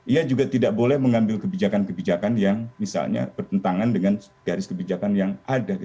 ia juga tidak boleh mengambil kebijakan kebijakan yang misalnya bertentangan dengan garis kebijakan yang ada